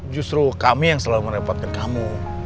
justru kami yang selalu merepotkan kamu